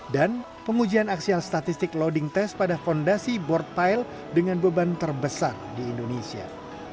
dan pengujian aksial statistik loading test pada fondasi board pile dengan beban terbesar di indonesia